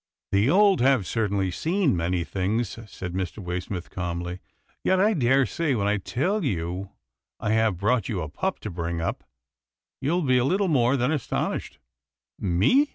" The old have certainly seen many things," said Mr. Waysmith, calmly, "yet I daresay, when I tell you I have brought you a pup to bring up, you will be a little more than astonished." "Me!"